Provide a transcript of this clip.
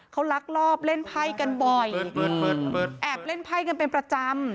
เขาลักลอบเล่นไพ่กันบ่อยแอบเล่นไพ่กันเป็นประจำ